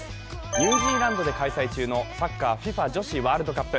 ニュージーランドで開催中のサッカーＦＩＦＡ女子ワールドカップ。